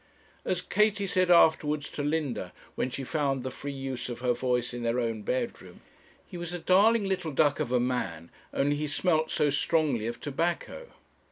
As Katie said afterwards to Linda, when she found the free use of her voice in their own bedroom, 'he was a darling little duck of a man, only he smelt so strongly of tobacco.'